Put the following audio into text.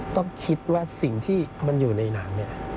ต้องคิดว่าสิ่งที่มันอยู่ในหนังเนี่ย